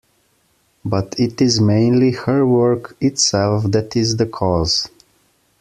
But it is mainly her work itself that is the cause.